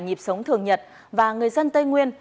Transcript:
nhịp sống thường nhật và người dân tây nguyên